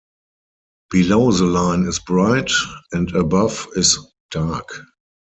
Below the line is bright, and above is dark.